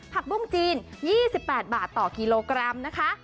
บุ้งจีน๒๘บาทต่อกิโลกรัมนะคะ